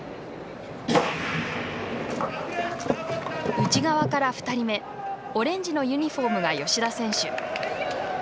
内側から２人目、オレンジのユニフォームが吉田選手。